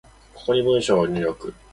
ここに文章を入力